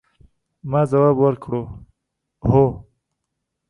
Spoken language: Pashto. ما ځواب ورکړ، هو.